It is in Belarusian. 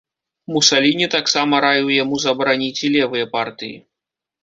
Мусаліні таксама раіў яму забараніць і левыя партыі.